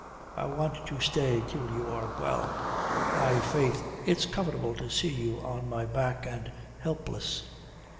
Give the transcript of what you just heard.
"I want to stay till you are well." "Aye, faith, it's comfortable to see me on my back and helpless."